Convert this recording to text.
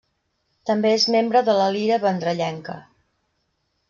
També és membre de La Lira Vendrellenca.